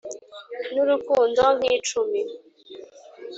n'urukundo nk'icumi